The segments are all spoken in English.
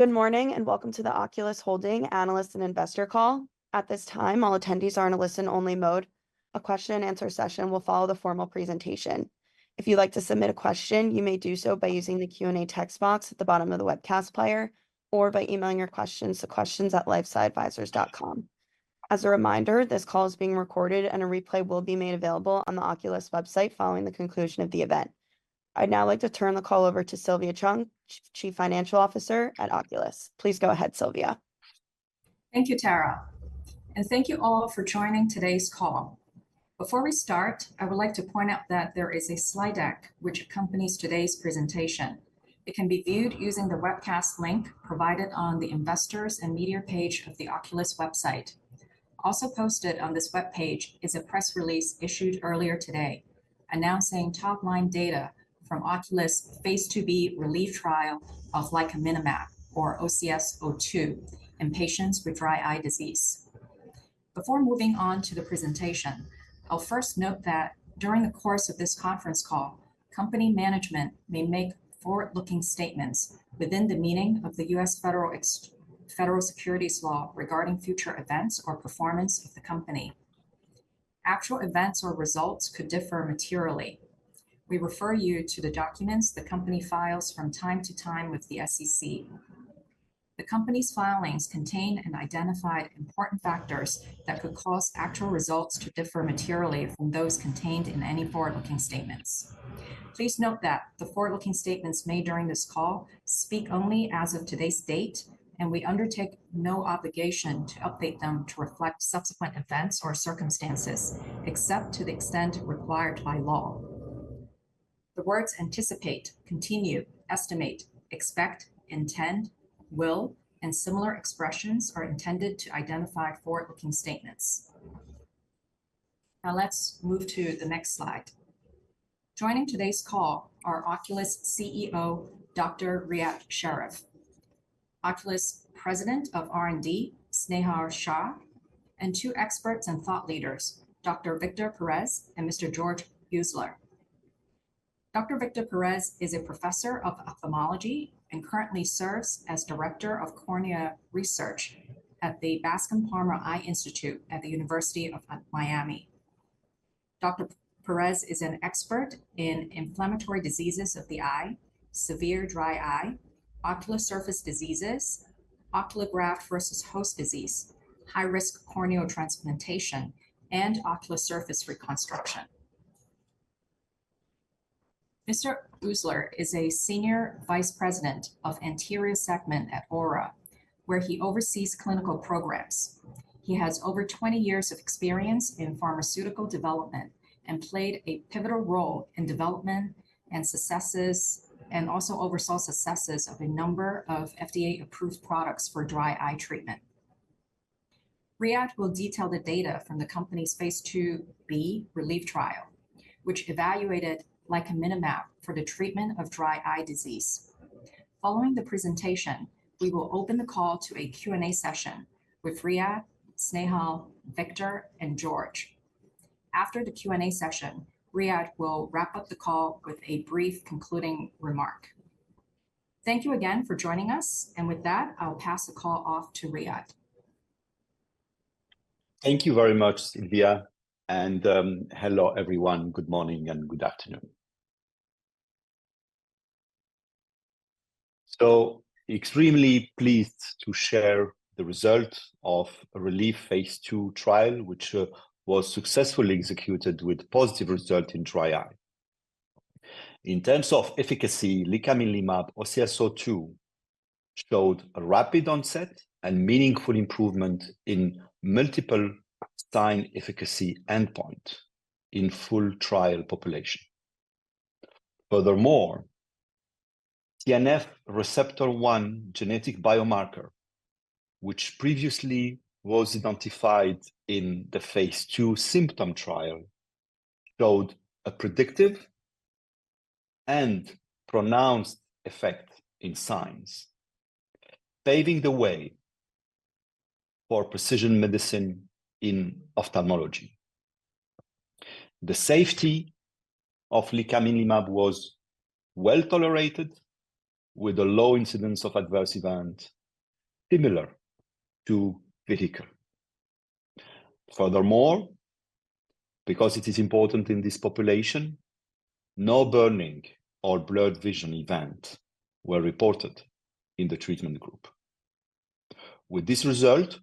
Good morning, and welcome to the Oculis Analyst and Investor Call. At this time, all attendees are in a listen-only mode. A question and answer session will follow the formal presentation. If you'd like to submit a question, you may do so by using the Q&A text box at the bottom of the webcast player or by emailing your questions to questions@lifesciadvisors.com. As a reminder, this call is being recorded and a replay will be made available on the Oculis website following the conclusion of the event. I'd now like to turn the call over to Sylvia Cheung, Chief Financial Officer at Oculis. Please go ahead, Sylvia. Thank you, Tara, and thank you all for joining today's call. Before we start, I would like to point out that there is a slide deck which accompanies today's presentation. It can be viewed using the webcast link provided on the Investors and Media page of the Oculis website. Also posted on this webpage is a press release issued earlier today, announcing top-line data from Oculis' phase II-B RELIEF trial of licaminlimab, or OCS-02, in patients with dry eye disease. Before moving on to the presentation, I'll first note that during the course of this conference call, company management may make forward-looking statements within the meaning of the U.S. Federal Securities laws regarding future events or performance of the company. Actual events or results could differ materially. We refer you to the documents the company files from time to time with the SEC. The company's filings contain and identify important factors that could cause actual results to differ materially from those contained in any forward-looking statements. Please note that the forward-looking statements made during this call speak only as of today's date, and we undertake no obligation to update them to reflect subsequent events or circumstances, except to the extent required by law. The words anticipate, continue, estimate, expect, intend, will, and similar expressions are intended to identify forward-looking statements. Now, let's move to the next slide. Joining today's call are Oculis CEO, Dr. Riad Sherif; Oculis President of R&D, Snehal Shah; and two experts and thought leaders, Dr. Victor Perez and Mr. George Ousler. Dr. Victor Perez is a professor of ophthalmology and currently serves as Director of Cornea Research at the Bascom Palmer Eye Institute at the University of Miami. Dr. Perez is an expert in inflammatory diseases of the eye, severe dry eye, ocular surface diseases, ocular graft versus host disease, high-risk corneal transplantation, and ocular surface reconstruction. Mr. Ousler is a Senior Vice President of Anterior Segment at Ora, where he oversees clinical programs. He has over 20 years of experience in pharmaceutical development and played a pivotal role in development and successes, and also oversaw successes of a number of FDA-approved products for dry eye treatment. Riad will detail the data from the company's phase II-B RELIEF trial, which evaluated licaminlimab for the treatment of dry eye disease. Following the presentation, we will open the call to a Q&A session with Riad, Snehal, Victor, and George. After the Q&A session, Riad will wrap up the call with a brief concluding remark. Thank you again for joining us, and with that, I'll pass the call off to Riad. Thank you very much, Sylvia, and hello, everyone. Good morning and good afternoon. Extremely pleased to share the results of the RELIEF phase II trial, which was successfully executed with positive result in dry eye. In terms of efficacy, Licaminlimab, OCS-02, showed a rapid onset and meaningful improvement in multiple signs efficacy endpoint in full trial population. Furthermore, TNF Receptor 1 genetic biomarker, which previously was identified in the Phase II symptom trial, showed a predictive and pronounced effect in signs, paving the way for precision medicine in ophthalmology. The safety of Licaminlimab was well-tolerated, with a low incidence of adverse event similar to vehicle. Furthermore, because it is important in this population, no burning or blurred vision event were reported in the treatment group. With this result,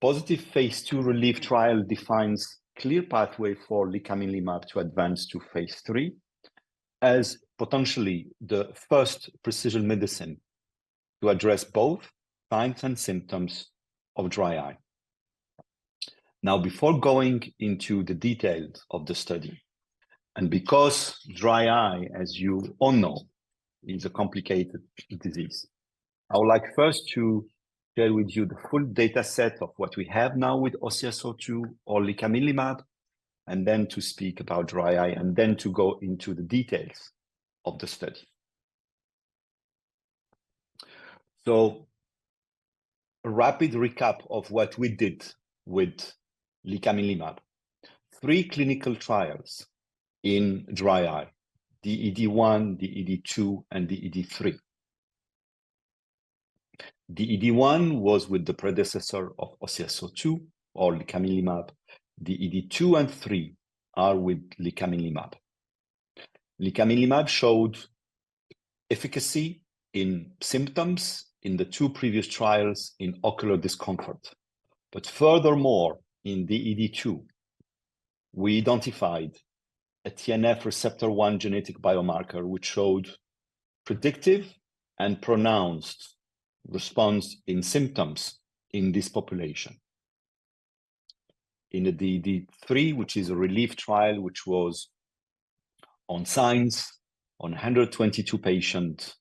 positive phase II RELIEF trial defines clear pathway for licaminlimab to advance to phase III as potentially the first precision medicine to address both signs and symptoms of dry eye. Now, before going into the details of the study, and because dry eye, as you all know, is a complicated disease, I would like first to share with you the full data set of what we have now with OCS-02 or licaminlimab, and then to speak about dry eye, and then to go into the details of the study. A rapid recap of what we did with licaminlimab. Three clinical trials in dry eye: DED1, DED2, and DED3. DED1 was with the predecessor of OCS-02 or licaminlimab. DED2 and DED3 are with licaminlimab. Licaminlimab showed efficacy in symptoms in the two previous trials in ocular discomfort. But furthermore, in DED2, we identified a TNF receptor 1 genetic biomarker, which showed predictive and pronounced response in symptoms in this population. In the DED3, which is a RELIEF trial, which was on signs on 122 patients,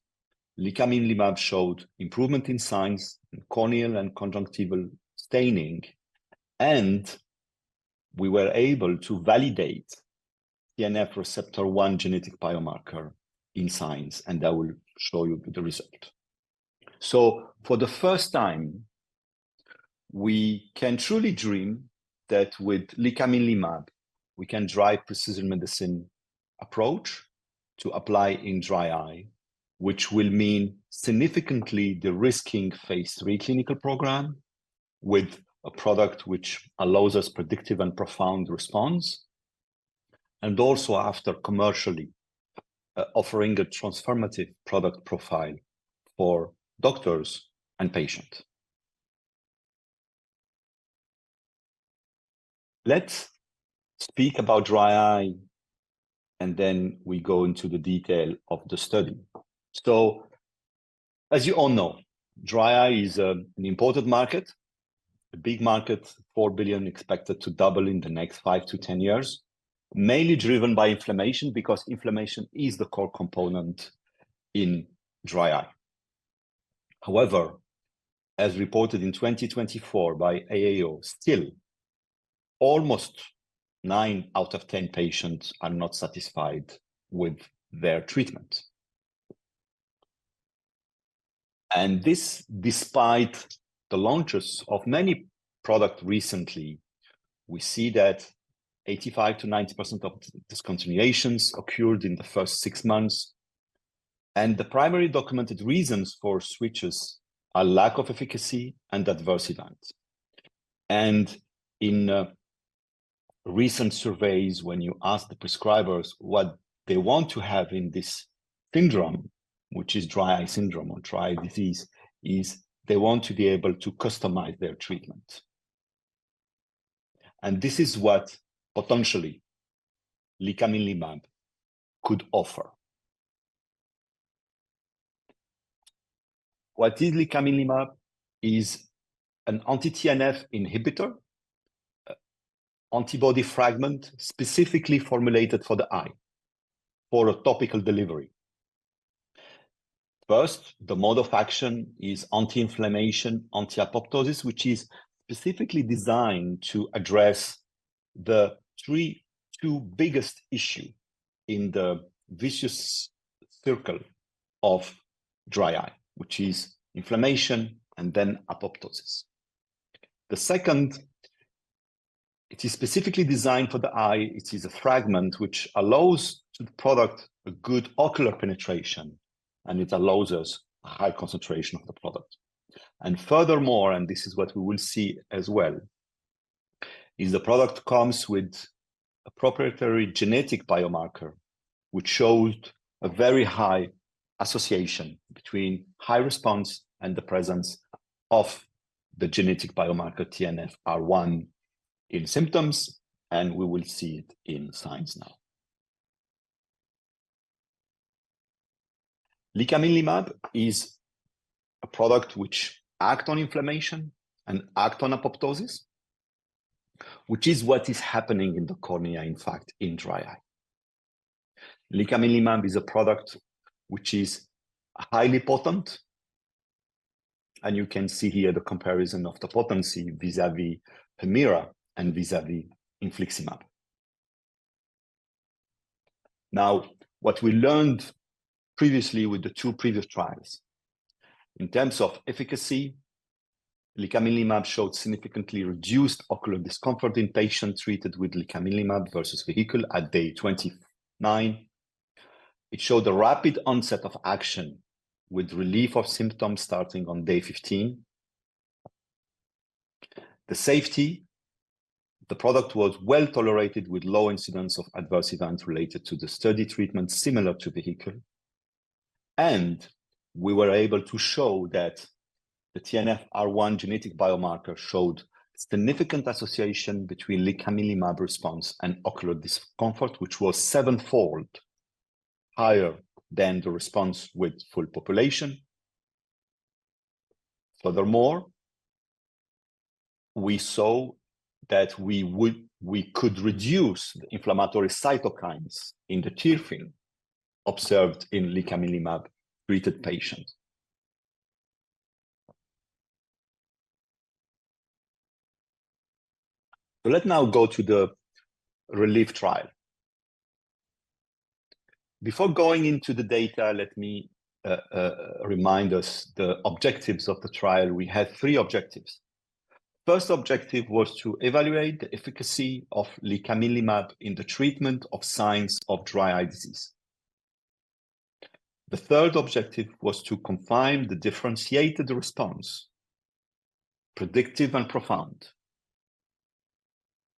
Licaminlimab showed improvement in signs, in corneal and conjunctival staining, and we were able to validate TNF receptor 1 genetic biomarker in signs, and I will show you the result. So for the first time, we can truly dream that with Licaminlimab, we can drive precision medicine approach to apply in dry eye, which will mean significantly de-risking phase III clinical program with a product which allows us predictive and profound response, and also after commercially, offering a transformative product profile for doctors and patients. Let's speak about dry eye, and then we go into the detail of the study. So as you all know, dry eye is an important market, a big market, $4 billion, expected to double in the next 5 to 10 years, mainly driven by inflammation, because inflammation is the core component in dry eye. However, as reported in 2024 by AAO, still, almost 9 out of 10 patients are not satisfied with their treatment. And this, despite the launches of many products recently, we see that 85%-90% of discontinuations occurred in the first six months, and the primary documented reasons for switches are lack of efficacy and adverse events. And in recent surveys, when you ask the prescribers what they want to have in this syndrome, which is dry eye syndrome or dry eye disease, is they want to be able to customize their treatment. And this is what potentially Licaminlimab could offer. What is Licaminlimab? It is an anti-TNF inhibitor, antibody fragment, specifically formulated for the eye for a topical delivery. First, the mode of action is anti-inflammation, anti-apoptosis, which is specifically designed to address the two biggest issue in the vicious circle of dry eye, which is inflammation and then apoptosis. The second, it is specifically designed for the eye. It is a fragment which allows the product a good ocular penetration, and it allows us a high concentration of the product. And furthermore, and this is what we will see as well, is the product comes with a proprietary genetic biomarker, which showed a very high association between high response and the presence of the genetic biomarker TNFR1 in symptoms, and we will see it in signs now. Licaminlimab is a product which act on inflammation and act on apoptosis, which is what is happening in the cornea, in fact, in dry eye. Licaminlimab is a product which is highly potent, and you can see here the comparison of the potency vis-à-vis Humira and vis-à-vis infliximab. Now, what we learned previously with the two previous trials, in terms of efficacy, licaminlimab showed significantly reduced ocular discomfort in patients treated with licaminlimab versus vehicle at day 29. It showed a rapid onset of action, with relief of symptoms starting on day 15. The safety, the product was well-tolerated, with low incidence of adverse events related to the study treatment, similar to vehicle. And we were able to show that the TNFR1 genetic biomarker showed significant association between licaminlimab response and ocular discomfort, which was sevenfold higher than the response with full population. Furthermore, we saw that we could reduce the inflammatory cytokines in the tear film observed in Licaminlimab-treated patients.... So let's now go to the RELIEF trial. Before going into the data, let me remind us the objectives of the trial. We had three objectives. First objective was to evaluate the efficacy of Licaminlimab in the treatment of signs of dry eye disease. The third objective was to confirm the differentiated response, predictive and profound,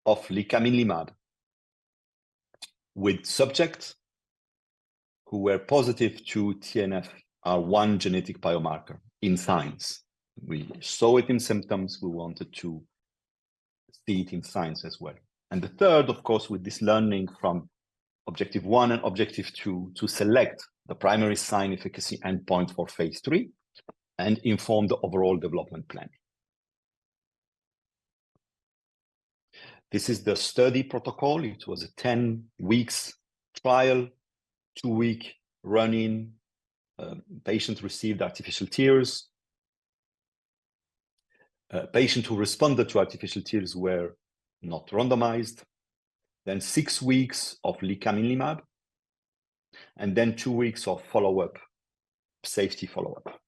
of Licaminlimab with subjects who were positive to TNFR1 genetic biomarker in signs. We saw it in symptoms, we wanted to see it in signs as well. And the third, of course, with this learning from objective one and objective two, to select the primary sign efficacy endpoint for phase three and inform the overall development plan. This is the study protocol. It was a 10-week trial, two-week run-in. Patients received artificial tears. Patients who responded to artificial tears were not randomized. Then six weeks of licaminlimab, and then two weeks of follow-up, safety follow-up.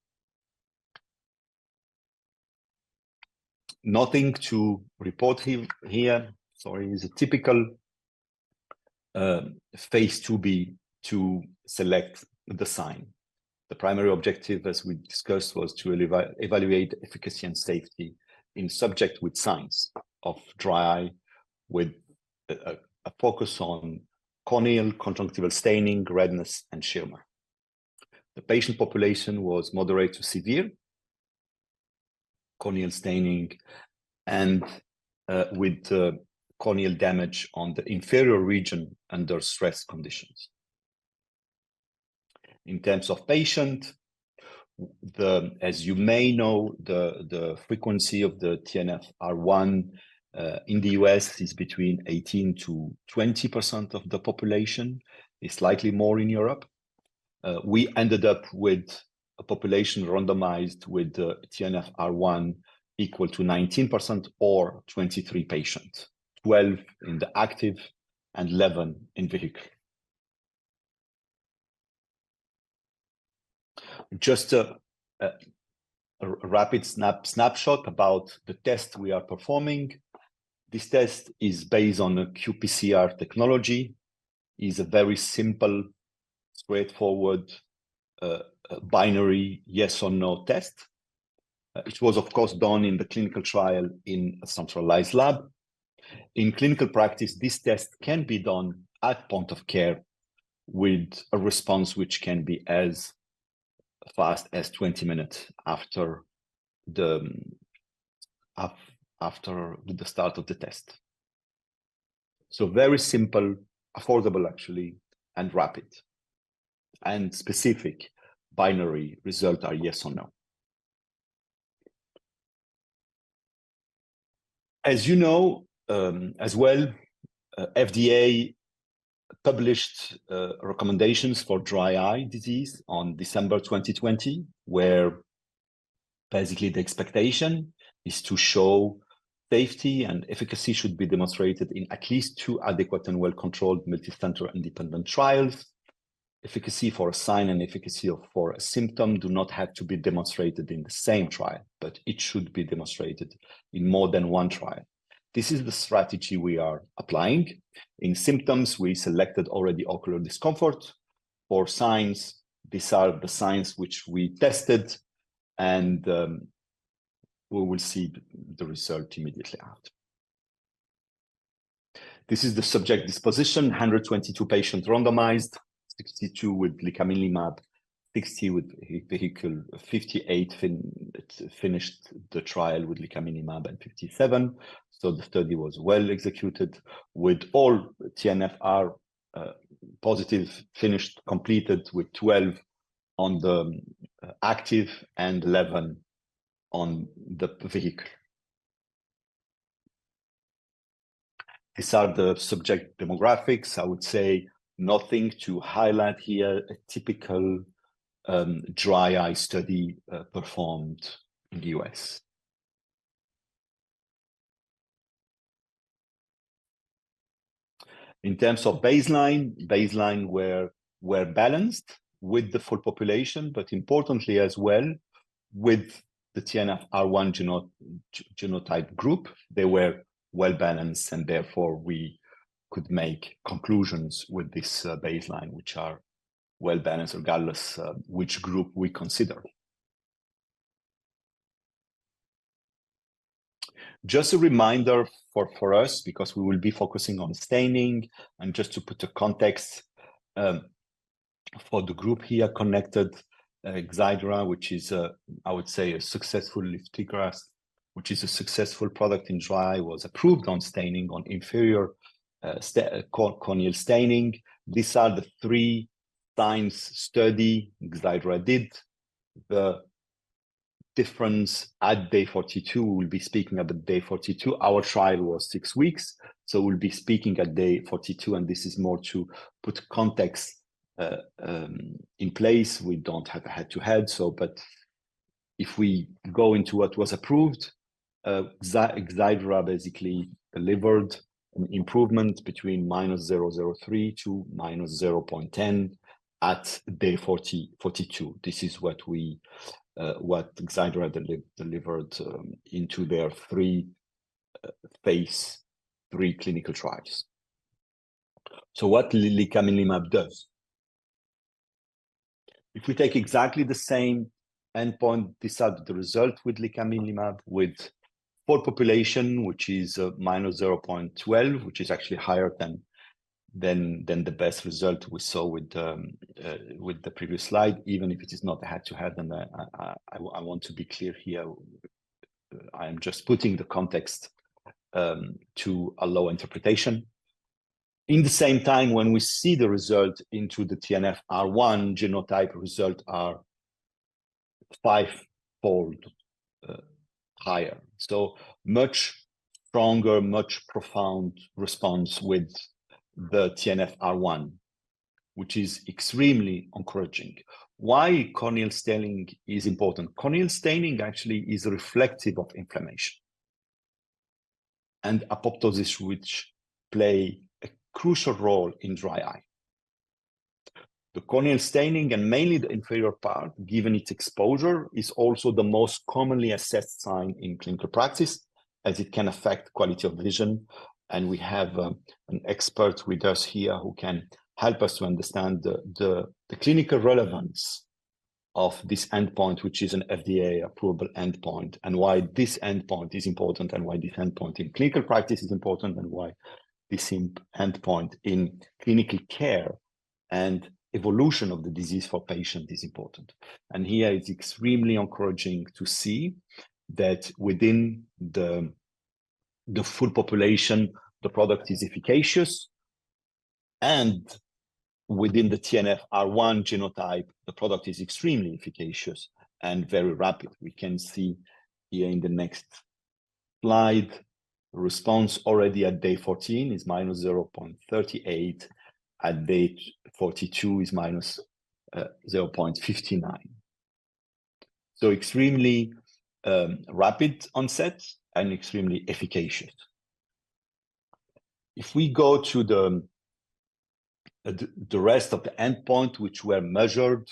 Nothing to report here, here. Sorry, it's a typical phase II-B to select the sign. The primary objective, as we discussed, was to evaluate efficacy and safety in subjects with signs of dry eye, with a focus on corneal, conjunctival staining, redness, and Schirmer. The patient population was moderate to severe corneal staining and, with corneal damage on the inferior region under stress conditions. In terms of patients, as you may know, the frequency of the TNFR1 in the U.S. is between 18%-20% of the population. It's slightly more in Europe. We ended up with a population randomized with the TNFR1 equal to 19% or 23 patients, 12 in the active and 11 in vehicle. Just a rapid snapshot about the test we are performing. This test is based on a qPCR technology. It is a very simple, straightforward, binary yes or no test, which was, of course, done in the clinical trial in a centralized lab. In clinical practice, this test can be done at point of care with a response which can be as fast as 20 minutes after the start of the test. So very simple, affordable, actually, and rapid, and specific binary result are yes or no. As you know, as well, FDA published recommendations for dry eye disease on December 2020, where basically the expectation is to show safety and efficacy should be demonstrated in at least two adequate and well-controlled multicenter independent trials. Efficacy for a sign and efficacy for a symptom do not have to be demonstrated in the same trial, but it should be demonstrated in more than one trial. This is the strategy we are applying. In symptoms, we selected already ocular discomfort or signs. These are the signs which we tested, and we will see the result immediately out. This is the subject disposition. 122 patients randomized, 62 with licaminlimab, 60 with vehicle. 58 finished the trial with licaminlimab and 57. The study was well executed with all TNFR positive, finished, completed with 12 on the active and 11 on the vehicle. These are the subject demographics. I would say nothing to highlight here, a typical dry eye study performed in the U.S. In terms of baseline, baseline were balanced with the full population, but importantly as well, with the TNFR1 genotype group, they were well-balanced, and therefore, we could make conclusions with this baseline, which are well-balanced, regardless of which group we consider. Just a reminder for us, because we will be focusing on staining and just to put a context for the group here, connected Xiidra, which is I would say, a successful lifitegrast, which is a successful product in dry eye, was approved on staining, on inferior corneal staining. These are the three signs study Xiidra did. The difference at day 42, we'll be speaking at the day 42. Our trial was six weeks, so we'll be speaking at day 42, and this is more to put context in place. We don't have a head-to-head. If we go into what was approved, Xiidra basically delivered an improvement between -0.003 to -0.10 at day 42. This is what we, what Xiidra delivered into their three phase III clinical trials. So what Licaminlimab does? If we take exactly the same endpoint, these are the results with Licaminlimab with full population, which is -0.12, which is actually higher than the best result we saw with the previous slide, even if it is not head-to-head, and I want to be clear here, I'm just putting the context to allow interpretation. In the same time, when we see the result into the TNFR1 genotype result are fivefold higher, so much stronger, much profound response with the TNFR1, which is extremely encouraging. Why corneal staining is important? Corneal staining actually is reflective of inflammation and apoptosis, which play a crucial role in dry eye. The corneal staining, and mainly the inferior part, given its exposure, is also the most commonly assessed sign in clinical practice, as it can affect quality of vision. We have an expert with us here who can help us to understand the clinical relevance of this endpoint, which is an FDA-approvable endpoint, and why this endpoint is important, and why this endpoint in clinical practice is important, and why this endpoint in clinical care and evolution of the disease for patient is important. Here, it's extremely encouraging to see that within the full population, the product is efficacious, and within the TNFR1 genotype, the product is extremely efficacious and very rapid. We can see here in the next slide, response already at day 14 is -0.38, at day 42 is -0.59. So extremely rapid onset and extremely efficacious. If we go to the rest of the endpoints which were measured,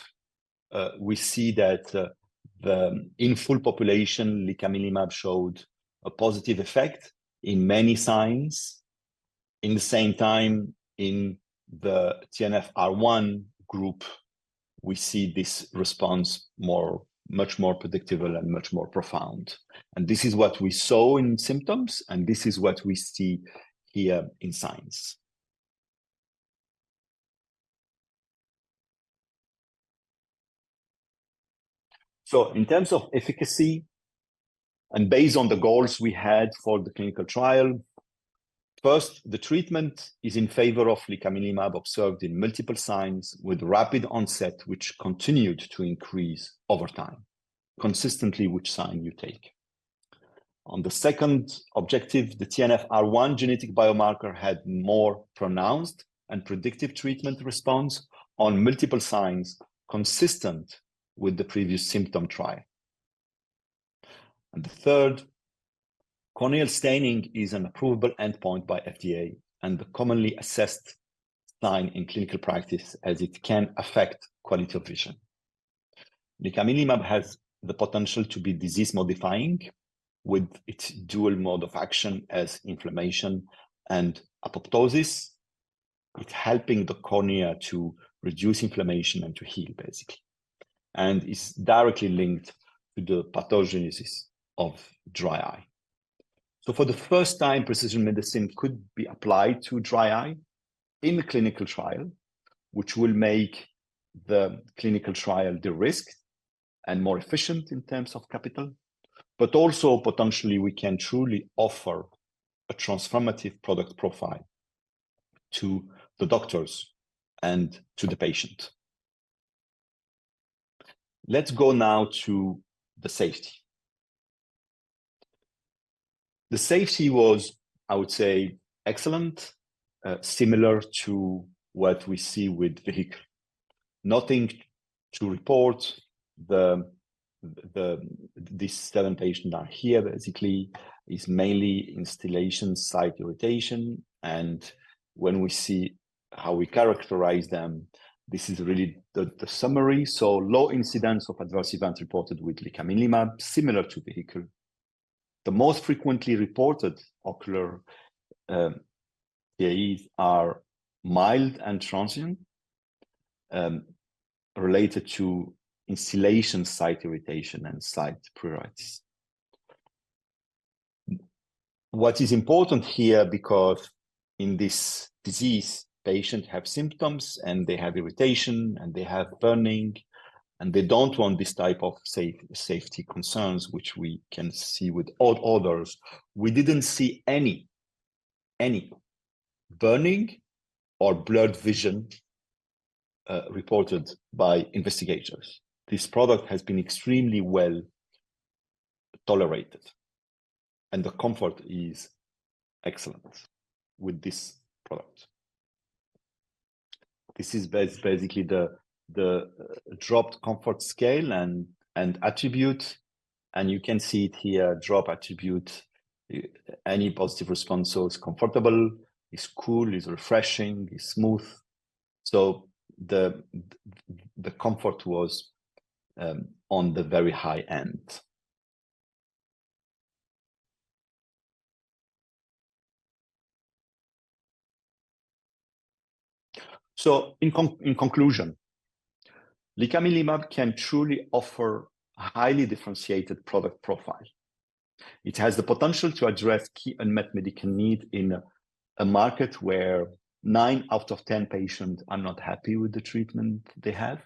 we see that the full population, Licaminlimab showed a positive effect in many signs. At the same time, in the TNFR1 group, we see this response much more predictable and much more profound. And this is what we saw in symptoms, and this is what we see here in signs. So in terms of efficacy and based on the goals we had for the clinical trial, first, the treatment is in favor of Licaminlimab, observed in multiple signs with rapid onset, which continued to increase over time, consistently which sign you take. On the second objective, the TNFR1 genetic biomarker had more pronounced and predictive treatment response on multiple signs, consistent with the previous symptom trial. The third, corneal staining is an approvable endpoint by FDA and the commonly assessed sign in clinical practice, as it can affect quality of vision. Licaminlimab has the potential to be disease-modifying, with its dual mode of action as inflammation and apoptosis. It's helping the cornea to reduce inflammation and to heal, basically, and it's directly linked to the pathogenesis of dry eye. So for the first time, precision medicine could be applied to dry eye in the clinical trial, which will make the clinical trial de-risked and more efficient in terms of capital, but also potentially we can truly offer a transformative product profile to the doctors and to the patient. Let's go now to the safety. The safety was, I would say, excellent, similar to what we see with vehicle. Nothing to report. The salient patients are here, basically, is mainly instillation site irritation. When we see how we characterize them, this is really the summary. So low incidence of adverse events reported with Licaminlimab, similar to vehicle. The most frequently reported ocular PAEs are mild and transient, related to instillation site irritation and slight pruritus. What is important here, because in this disease, patients have symptoms, and they have irritation, and they have burning, and they don't want this type of safety concerns, which we can see with others. We didn't see any burning or blurred vision reported by investigators. This product has been extremely well-tolerated, and the comfort is excellent with this product. This is basically the drop comfort scale and attribute, and you can see it here, drop attribute, any positive response. So it's comfortable, it's cool, it's refreshing, it's smooth. So the comfort was on the very high end. So in conclusion, Licaminlimab can truly offer a highly differentiated product profile. It has the potential to address key unmet medical need in a market where nine out of ten patients are not happy with the treatment they have,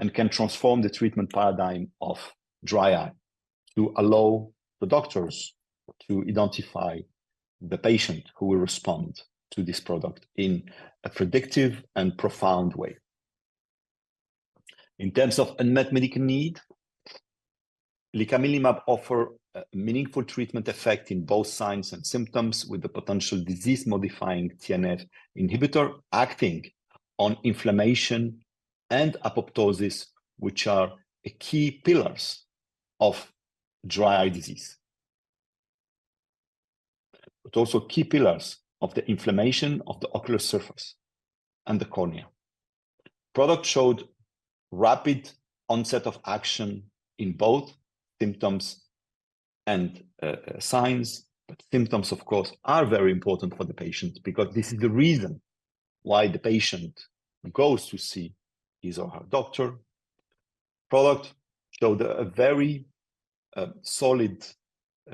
and can transform the treatment paradigm of dry eye to allow the doctors to identify the patient who will respond to this product in a predictive and profound way. In terms of unmet medical need, Licaminlimab offer a meaningful treatment effect in both signs and symptoms, with the potential disease-modifying TNF inhibitor acting on inflammation and apoptosis, which are a key pillars of dry eye disease, but also key pillars of the inflammation of the ocular surface and the cornea. Product showed rapid onset of action in both symptoms and signs. But symptoms, of course, are very important for the patient because this is the reason why the patient goes to see his or her doctor. Product showed a very solid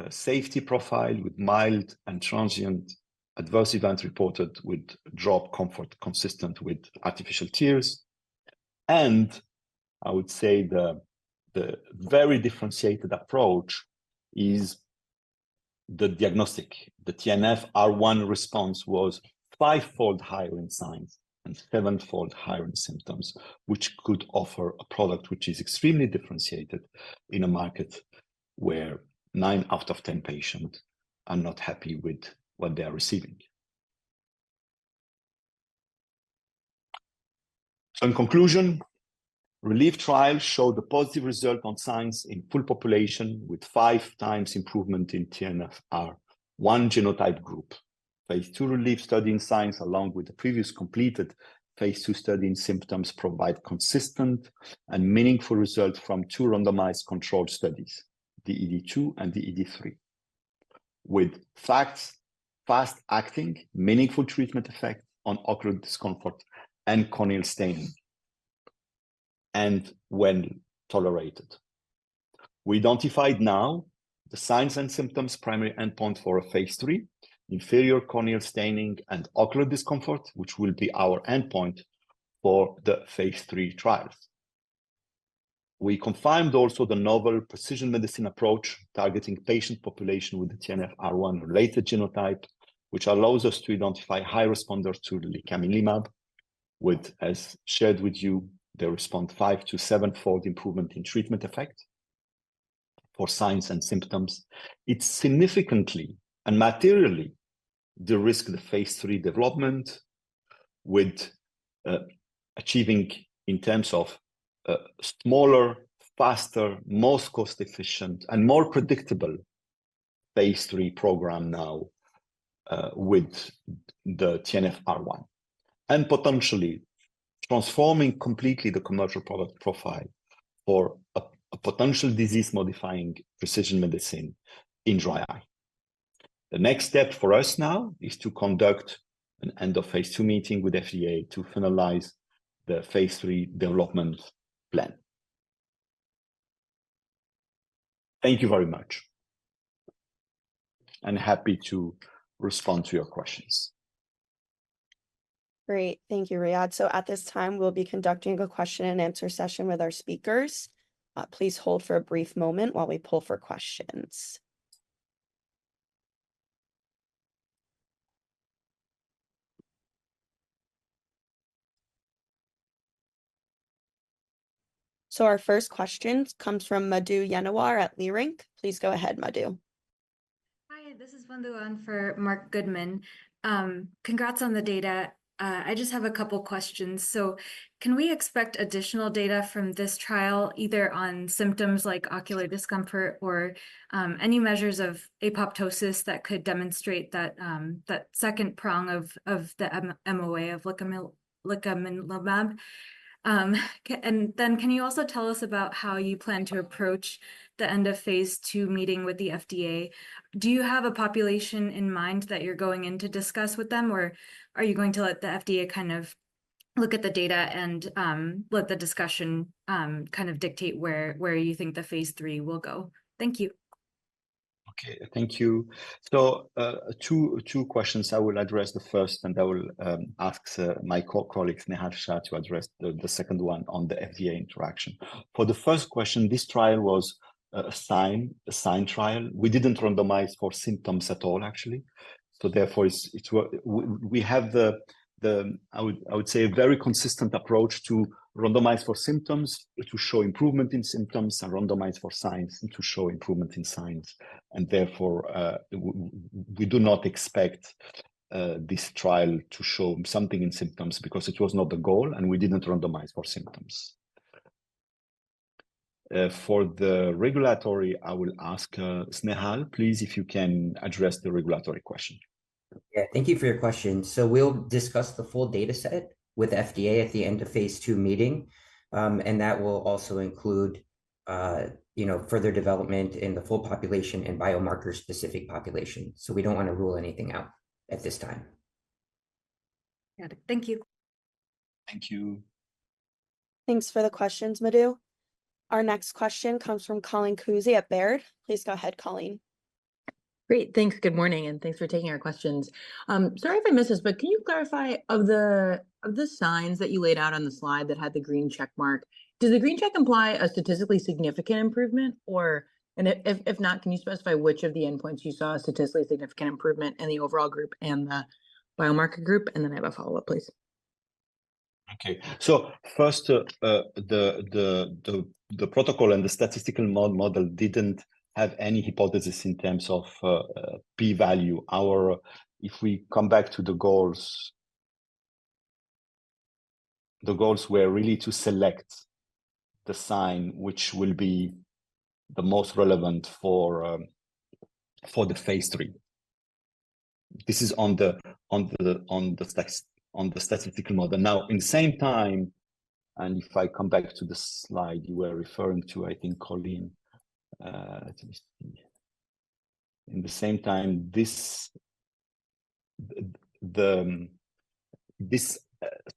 safety profile, with mild and transient adverse events reported with drop comfort, consistent with artificial tears. And I would say the very differentiated approach is the diagnostic. The TNFR1 response was fivefold higher in signs and sevenfold higher in symptoms, which could offer a product which is extremely differentiated in a market where nine out of ten patients are not happy with what they are receiving. So in conclusion, RELIEF trial showed a positive result on signs in full population, with five times improvement in TNFR1 genotype group. Phase II RELIEF study in signs, along with the previous completed phase II study in symptoms, provide consistent and meaningful results from two randomized controlled studies, the ED2 and the ED3, with fast, fast-acting, meaningful treatment effect on ocular discomfort and corneal staining, and well tolerated. We identified now the signs and symptoms primary endpoint for a phase III, inferior corneal staining and ocular discomfort, which will be our endpoint for the phase III trials. We confirmed also the novel precision medicine approach, targeting patient population with the TNFR1-related genotype, which allows us to identify high responders to the licaminlimab with, as shared with you, they respond 5- to 7-fold improvement in treatment effect for signs and symptoms. It significantly and materially de-risk the phase III development, with, achieving in terms of, smaller, faster, most cost-efficient, and more predictable phase III program now, with the TNFR1, and potentially transforming completely the commercial product profile for a, a potential disease-modifying precision medicine in dry eye. The next step for us now is to conduct an end-of-phase-II meeting with FDA to finalize the phase III development plan. Thank you very much, and happy to respond to your questions. Great. Thank you, Riad. So at this time, we'll be conducting a question and answer session with our speakers. Please hold for a brief moment while we poll for questions. So our first question comes from Madhu Yennawar at Leerink. Please go ahead, Madhu. Hi, this is Madhu for Mark Goodman. Congrats on the data. I just have a couple questions. So can we expect additional data from this trial, either on symptoms like ocular discomfort or any measures of apoptosis that could demonstrate that second prong of the MOA of licaminlimab? And then can you also tell us about how you plan to approach the end-of-phase 2 meeting with the FDA? Do you have a population in mind that you're going in to discuss with them, or are you going to let the FDA kind of look at the data and let the discussion kind of dictate where you think the phase III will go? Thank you. Okay, thank you. So, two questions. I will address the first, and I will ask my colleagues, Snehal Shah, to address the second one on the FDA interaction. For the first question, this trial was a sign trial. We didn't randomize for symptoms at all, actually. So therefore, we have the, I would say, a very consistent approach to randomize for symptoms, to show improvement in symptoms, and randomize for signs, and to show improvement in signs. And therefore, we do not expect this trial to show something in symptoms because it was not the goal, and we didn't randomize for symptoms. For the regulatory, I will ask Snehal, please, if you can address the regulatory question. Yeah, thank you for your question. So we'll discuss the full data set with FDA at the end of phase II meeting. And that will also include, you know, further development in the full population and biomarker-specific population, so we don't wanna rule anything out at this time. Got it. Thank you. Thank you. Thanks for the questions, Madhu. Our next question comes from Colleen Kusy at Baird. Please go ahead, Colleen. Great. Thanks. Good morning, and thanks for taking our questions. Sorry if I missed this, but can you clarify, of the signs that you laid out on the slide that had the green check mark, does the green check imply a statistically significant improvement, or... And if not, can you specify which of the endpoints you saw a statistically significant improvement in the overall group and the biomarker group? And then I have a follow-up, please. Okay. So first, the protocol and the statistical model didn't have any hypothesis in terms of p-value. Our... If we come back to the goals, the goals were really to select the sign which will be the most relevant for the phase III. This is on the statistical model. Now, in the same time, and if I come back to the slide you were referring to, I think, Colleen, let me see. In the same time, the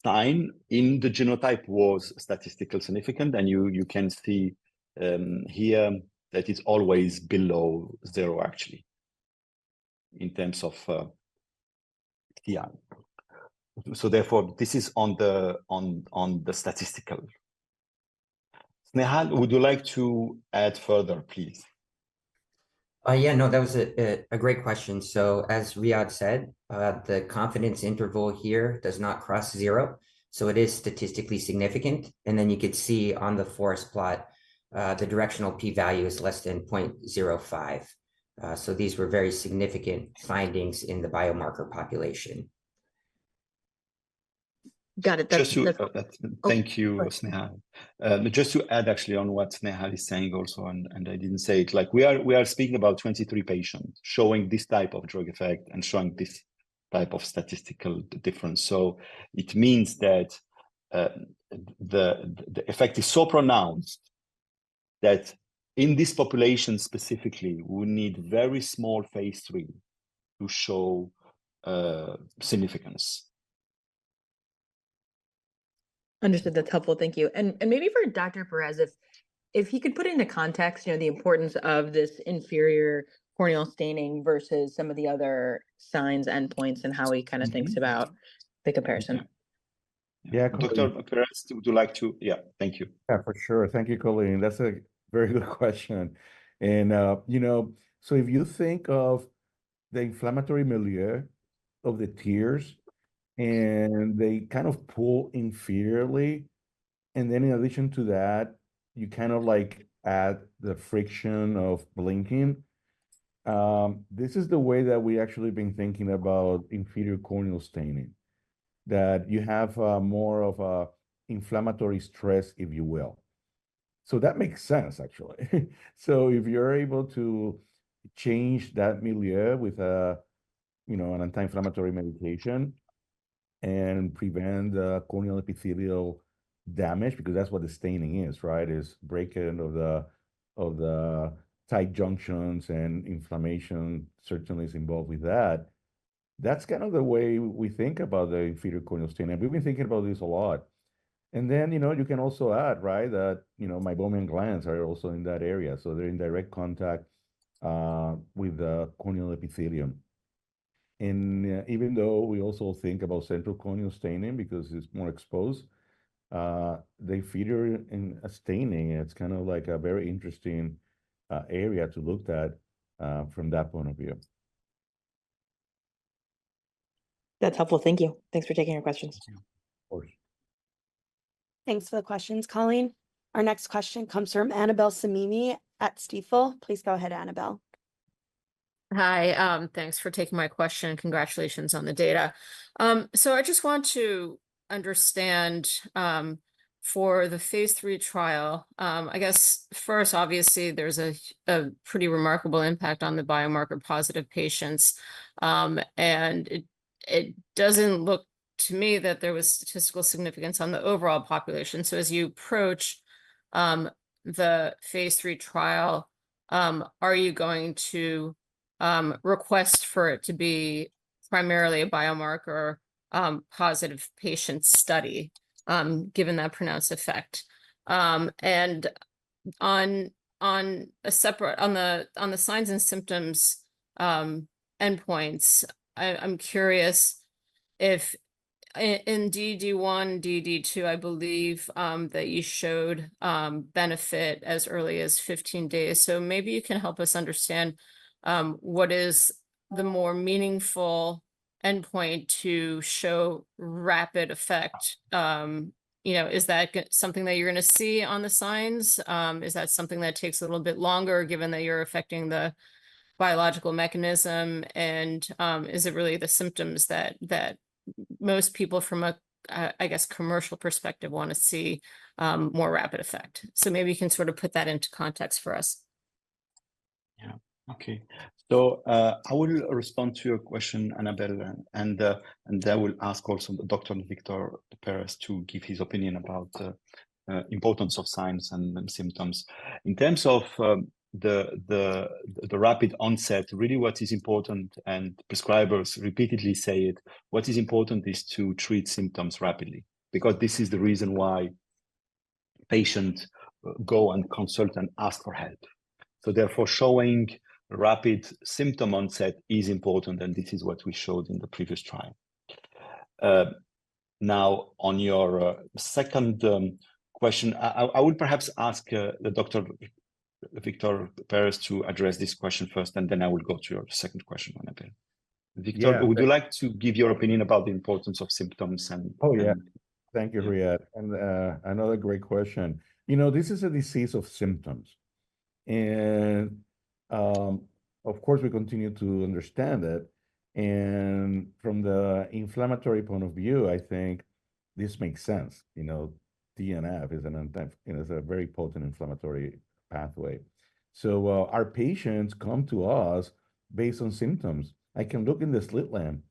sign in the genotype was statistical significant, and you can see here that it's always below zero actually, in terms of yeah. So therefore, this is on the statistical. Snehal, would you like to add further, please? Yeah, no, that was a great question. So as Riad said, the confidence interval here does not cross zero, so it is statistically significant. And then you could see on the forest plot, the directional p-value is less than 0.05. So these were very significant findings in the biomarker population. Got it. Thank you- Just to- Oh. Thank you, Snehal. Just to add actually on what Snehal is saying also, and I didn't say it, like, we are speaking about 23 patients showing this type of drug effect and showing this type of statistical difference. So it means that the effect is so pronounced that in this population specifically, we need very small phase III to show significance. Understood. That's helpful, thank you. And maybe for Dr. Perez, if he could put into context, you know, the importance of this inferior corneal staining versus some of the other signs, endpoints, and how he kind of thinks about the comparison. Yeah, Colleen- Dr. Perez, would you like to... Yeah, thank you. Yeah, for sure. Thank you, Colleen. That's a very good question. And, you know, so if you think of the inflammatory milieu of the tears, and they kind of pull inferiorly, and then in addition to that, you kind of, like, add the friction of blinking, this is the way that we actually have been thinking about inferior corneal staining. That you have, more of a inflammatory stress, if you will. So that makes sense, actually. So if you're able to change that milieu with a, you know, an anti-inflammatory medication and prevent the corneal epithelial damage, because that's what the staining is, right? Is breaking of the, of the tight junctions, and inflammation certainly is involved with that. That's kind of the way we think about the inferior corneal staining. We've been thinking about this a lot. Then, you know, you can also add, right, that, you know, meibomian glands are also in that area, so they're in direct contact with the corneal epithelium. Even though we also think about central corneal staining, because it's more exposed, they feature in a staining, and it's kind of like a very interesting area to look at from that point of view. That's helpful, thank you. Thanks for taking our questions. Thank you. Of course. Thanks for the questions, Colleen. Our next question comes from Annabel Samimy at Stifel. Please go ahead, Annabelle. Hi, thanks for taking my question. Congratulations on the data. So I just want to understand, for the phase III trial, I guess, first, obviously, there's a pretty remarkable impact on the biomarker-positive patients, and it doesn't look to me that there was statistical significance on the overall population. So as you approach, the phase III trial, are you going to request for it to be primarily a biomarker positive patient study, given that pronounced effect? And on a separate. On the signs and symptoms endpoints, I'm curious if in DD1, DD2, I believe, that you showed benefit as early as 15 days. So maybe you can help us understand what is the more meaningful endpoint to show rapid effect. You know, is that something that you're gonna see on the signs? Is that something that takes a little bit longer, given that you're affecting the biological mechanism? Is it really the symptoms that most people from a, I guess, commercial perspective want to see more rapid effect? So maybe you can sort of put that into context for us. Yeah. Okay. So, I will respond to your question, Annabel, and I will ask also Dr. Victor Perez to give his opinion about the importance of signs and symptoms. In terms of the rapid onset, really what is important, and prescribers repeatedly say it, what is important is to treat symptoms rapidly, because this is the reason why patients go and consult and ask for help. So therefore, showing rapid symptom onset is important, and this is what we showed in the previous trial. Now on your second question, I would perhaps ask Dr. Victor Perez to address this question first, and then I will go to your second question, Annabel. Yeah. Victor, would you like to give your opinion about the importance of symptoms and? Oh, yeah. Thank you, Riad. And another great question. You know, this is a disease of symptoms, and of course, we continue to understand it. And from the inflammatory point of view, I think this makes sense. You know, TNF is a very potent inflammatory pathway. So, our patients come to us based on symptoms. I can look in the slit-lamp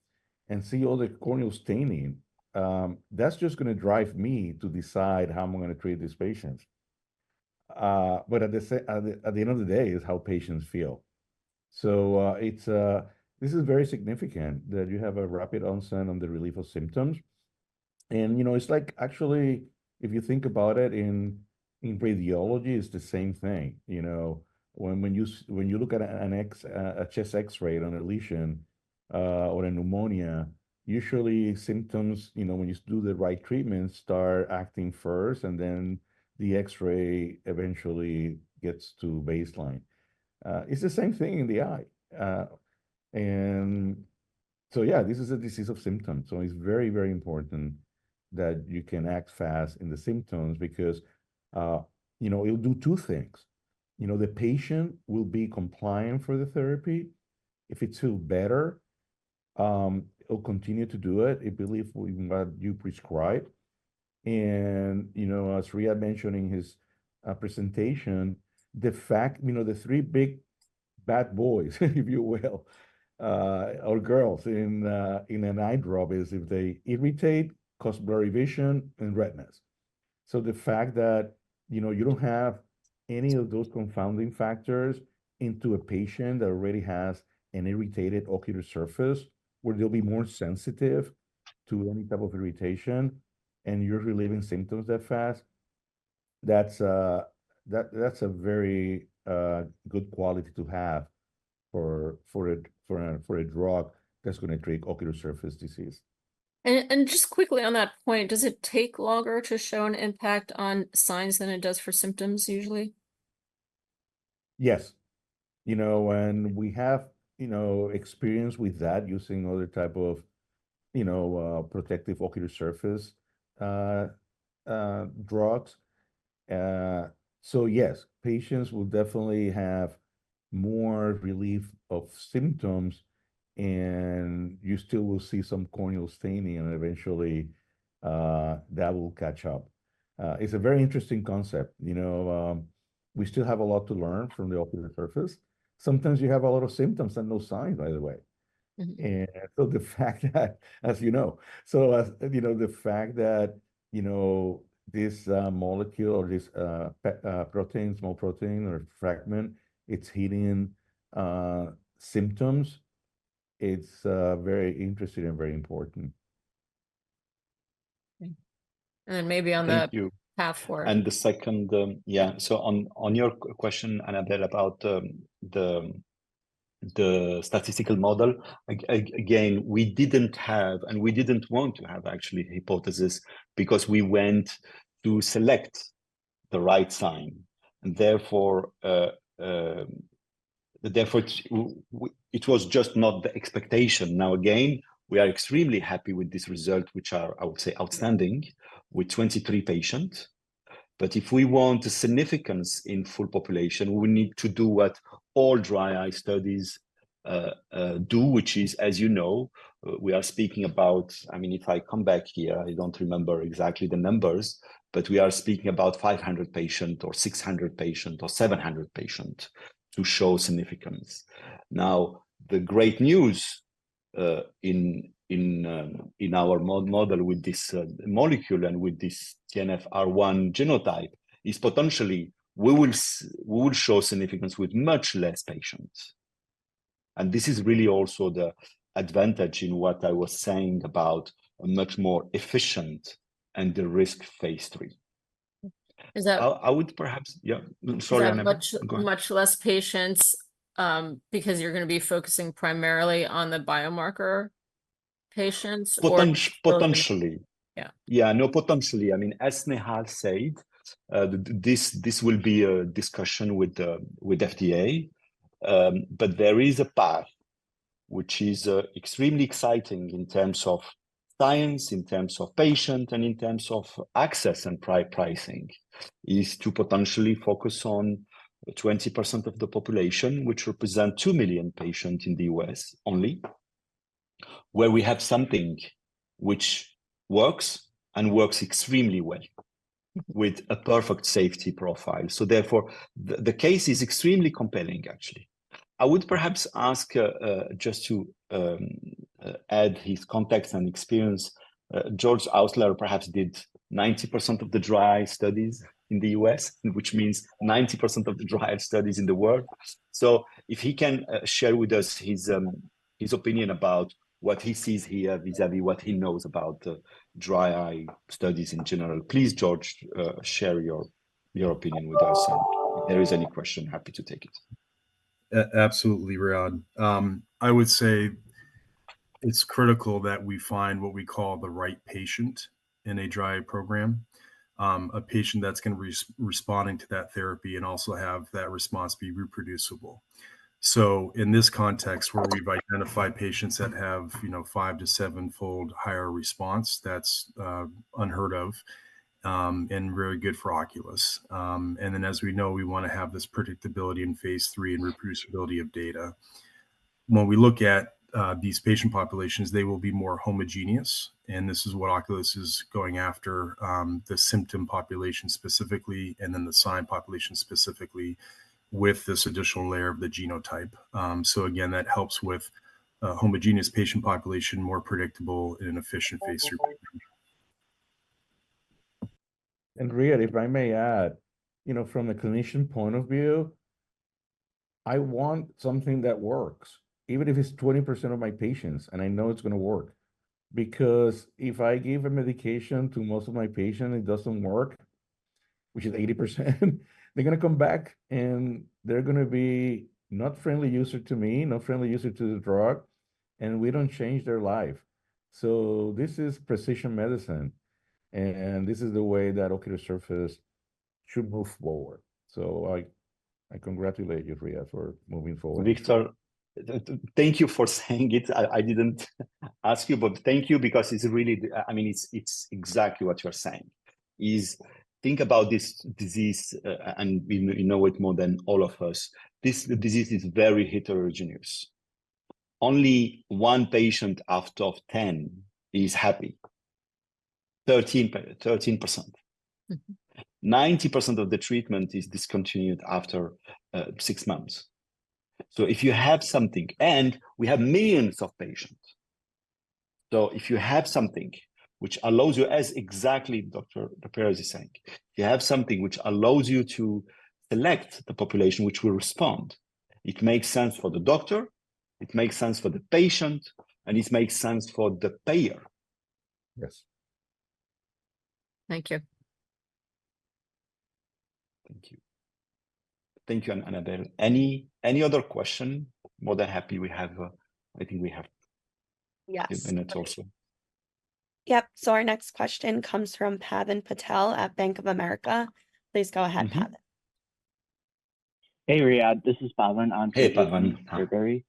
and see all the corneal staining. That's just gonna drive me to decide how I'm gonna treat these patients. But at the end of the day, it's how patients feel. So, it's... This is very significant, that you have a rapid onset on the relief of symptoms. And, you know, it's like, actually, if you think about it, in radiology, it's the same thing. You know, when you look at a chest X-ray on a lesion or a pneumonia, usually symptoms, you know, when you do the right treatment, start acting first, and then the X-ray eventually gets to baseline. It's the same thing in the eye. And so yeah, this is a disease of symptoms, so it's very, very important that you can act fast in the symptoms because, you know, it'll do two things. You know, the patient will be compliant for the therapy. If he feel better, he'll continue to do it, he believe in what you prescribe. And, you know, as Riad mentioned in his presentation, you know, the three big bad boys if you will, or girls, in an eye drop is if they irritate, cause blurry vision, and redness. So the fact that, you know, you don't have any of those confounding factors into a patient that already has an irritated ocular surface, where they'll be more sensitive to any type of irritation, and you're relieving symptoms that fast, that's a very good quality to have for a drug that's gonna treat ocular surface disease. And just quickly on that point, does it take longer to show an impact on signs than it does for symptoms usually? Yes. You know, and we have, you know, experience with that using other type of, you know, protective ocular surface drugs. So yes, patients will definitely have more relief of symptoms, and you still will see some corneal staining, and eventually, that will catch up. It's a very interesting concept, you know? We still have a lot to learn from the ocular surface. Sometimes you have a lot of symptoms and no signs, by the way. Mm-hmm. So as you know, the fact that you know this molecule or this protein, small protein or fragment, it's hitting symptoms, it's very interesting and very important. Okay. And maybe on the- Thank you... path forward. The second, so on your question, Annabel, about the statistical model, again, we didn't have, and we didn't want to have, actually, hypothesis, because we went to select the right sign, and therefore, it was just not the expectation. Now, again, we are extremely happy with this result, which are, I would say, outstanding, with 23 patients. But if we want the significance in full population, we need to do what all dry eye studies do, which is, as you know, we are speaking about... I mean, if I come back here, I don't remember exactly the numbers, but we are speaking about 500 patient or 600 patient or 700 patient to show significance. Now, the great news in our model with this molecule and with this TNFR1 genotype is potentially we would show significance with much less patients. And this is really also the advantage in what I was saying about a much more efficient and the risk phase III. Is that- I would perhaps... Yeah, sorry, Annabel. Is that much- Go ahead... much less patients, because you're gonna be focusing primarily on the biomarker patients, or? Potent- potentially. Yeah. Yeah, no, potentially. I mean, as Neha said, this, this will be a discussion with the, with FDA. But there is a path which is, extremely exciting in terms of science, in terms of patient, and in terms of access and pricing, is to potentially focus on 20% of the population, which represent 2 million patients in the U.S. only.... where we have something which works, and works extremely well, with a perfect safety profile. So therefore, the, the case is extremely compelling, actually. I would perhaps ask, just to, add his context and experience, George Ousler perhaps did 90% of the dry eye studies in the U.S., which means 90% of the dry eye studies in the world. So if he can share with us his opinion about what he sees here, vis-à-vis what he knows about dry eye studies in general. Please, George, share your opinion with us. And if there is any question, happy to take it. Absolutely, Riad. I would say it's critical that we find what we call the right patient in a dry eye program. A patient that's going to responding to that therapy and also have that response be reproducible. So in this context, where we've identified patients that have, you know, five to sevenfold higher response, that's unheard of, and very good for Oculis. And then, as we know, we want to have this predictability in Phase III and reproducibility of data. When we look at these patient populations, they will be more homogeneous, and this is what Oculis is going after, the symptom population specifically, and then the sign population specifically, with this additional layer of the genotype. So again, that helps with a homogeneous patient population, more predictable and efficient phase conversion. And Riad, if I may add, you know, from a clinician point of view, I want something that works, even if it's 20% of my patients, and I know it's going to work. Because if I give a medication to most of my patients, it doesn't work, which is 80%, they're going to come back, and they're going to be not friendly user to me, not friendly user to the drug, and we don't change their life. So this is precision medicine, and this is the way that ocular surface should move forward. So I congratulate you, Riad, for moving forward. Victor, thank you for saying it. I didn't ask you, but thank you because it's really... I mean, it's exactly what you're saying. Let's think about this disease, and you know it more than all of us, this disease is very heterogeneous. Only one patient out of 10 is happy. 13%. Mm-hmm. 90% of the treatment is discontinued after six months. So if you have something... And we have millions of patients, so if you have something which allows you, as exactly Dr. Perez is saying, if you have something which allows you to select the population which will respond, it makes sense for the doctor, it makes sense for the patient, and it makes sense for the payer. Yes. Thank you. Thank you. Thank you, Annabelle. Any other question? More than happy we have, I think we have- Yes... minutes also. Yep. So our next question comes from Pavan Patel at Bank of America. Please go ahead, Pavan. Mm-hmm. Hey, Riad, this is Pavan- Hey, Pavan. I'm from Bank of America.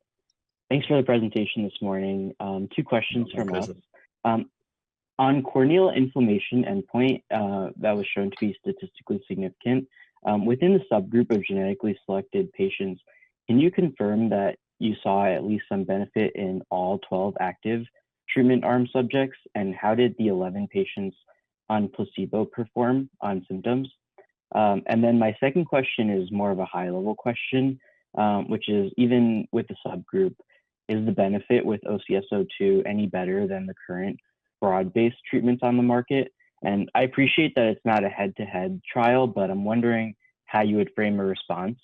Thanks for the presentation this morning. Two questions from us. No questions. On corneal inflammation endpoint, that was shown to be statistically significant, within the subgroup of genetically selected patients, can you confirm that you saw at least some benefit in all 12 active treatment arm subjects? And how did the 11 patients on placebo perform on symptoms? And then my second question is more of a high-level question, which is, even with the subgroup, is the benefit with OCS-02 any better than the current broad-based treatments on the market? And I appreciate that it's not a head-to-head trial, but I'm wondering how you would frame a response.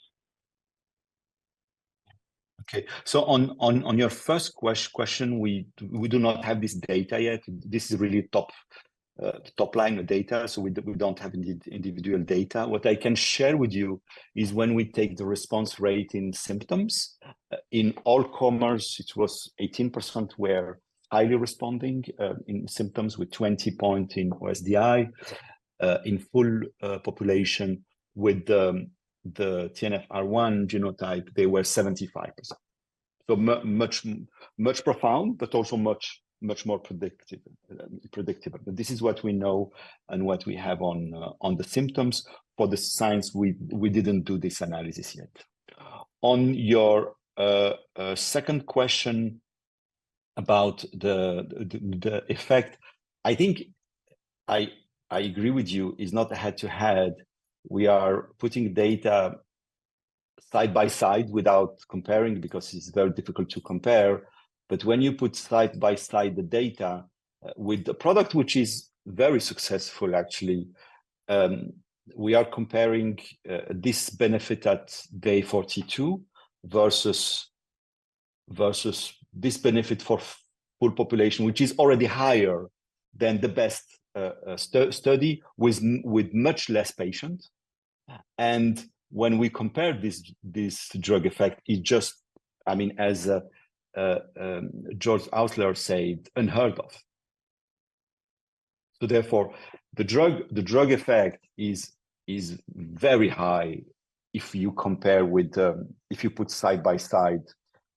Okay. So on your first question, we do not have this data yet. This is really top line data, so we don't have individual data. What I can share with you is when we take the response rate in symptoms in all comers, it was 18% were highly responding in symptoms with 20 point in OSDI. In full population with the TNFR1 genotype, they were 75%. So much more profound, but also much more predictable. But this is what we know and what we have on the symptoms. For the signs, we didn't do this analysis yet. On your second question about the effect, I think I agree with you. It's not a head-to-head. We are putting data side by side without comparing, because it's very difficult to compare. But when you put side by side the data, with the product which is very successful, actually, we are comparing this benefit at day 42 versus this benefit for full population, which is already higher than the best study, with much less patients. And when we compare this drug effect, I mean, as George Ousler said, "Unheard of." So therefore, the drug effect is very high if you compare with the... if you put side by side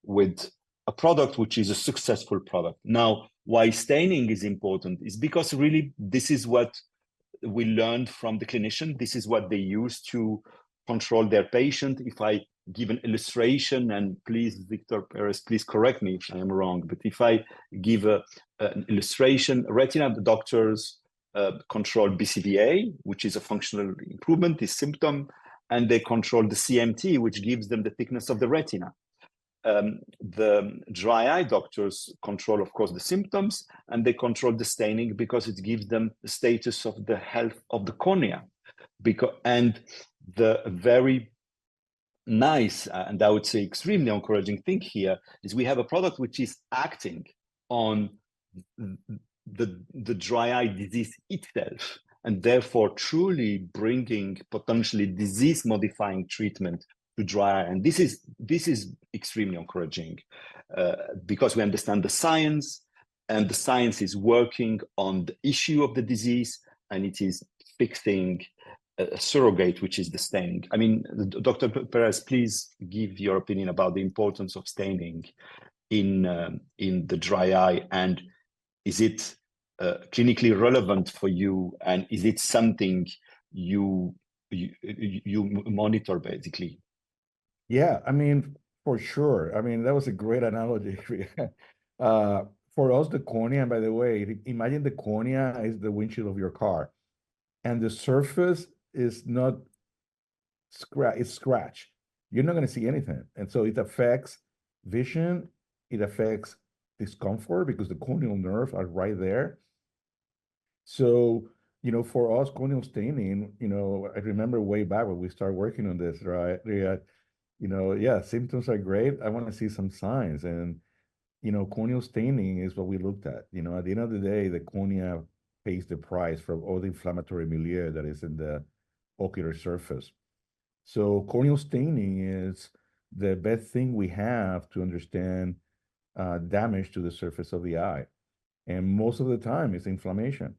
with a product which is a successful product. Now, why staining is important is because really this is we learned from the clinician, this is what they use to control their patient. If I give an illustration, and please, Victor L. Perez, please correct me if I am wrong, but if I give an illustration, retina, the doctors control BCVA, which is a functional improvement, the symptom, and they control the CMT, which gives them the thickness of the retina. The dry eye doctors control, of course, the symptoms, and they control the staining because it gives them the status of the health of the cornea. And the very nice, and I would say extremely encouraging thing here, is we have a product which is acting on the dry eye disease itself, and therefore truly bringing potentially disease-modifying treatment to dry eye. And this is, this is extremely encouraging, because we understand the science, and the science is working on the issue of the disease, and it is fixing a surrogate, which is the stain. I mean, Dr. Perez, please give your opinion about the importance of staining in the dry eye, and is it clinically relevant for you, and is it something you monitor, basically? Yeah, I mean, for sure. I mean, that was a great analogy, Riad. For us, the cornea, by the way, imagine the cornea is the windshield of your car, and the surface is not scratched. You're not gonna see anything, and so it affects vision, it affects discomfort because the corneal nerves are right there. So, you know, for us, corneal staining, you know, I remember way back when we started working on this, right? Riad, you know, yeah, symptoms are great, I want to see some signs. You know, corneal staining is what we looked at. You know, at the end of the day, the cornea pays the price for all the inflammatory milieu that is in the ocular surface. So corneal staining is the best thing we have to understand damage to the surface of the eye, and most of the time it's inflammation.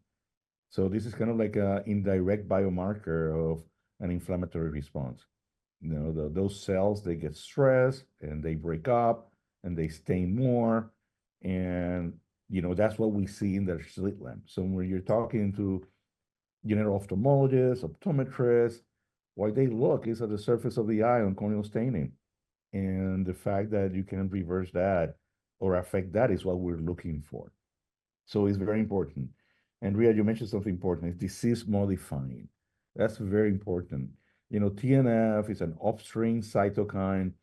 So this is kind of like a indirect biomarker of an inflammatory response. You know, the, those cells, they get stressed, and they break up, and they stain more, and, you know, that's what we see in the slit lamp. So when you're talking to general ophthalmologists, optometrists, what they look is at the surface of the eye on corneal staining. And the fact that you can reverse that or affect that is what we're looking for, so it's very important. And Riad, you mentioned something important, it's disease-modifying. That's very important. You know, TNF is an upstream cytokine